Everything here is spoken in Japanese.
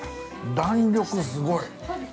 弾力すごい。